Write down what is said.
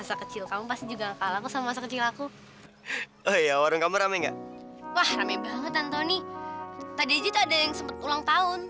sampai jumpa di video selanjutnya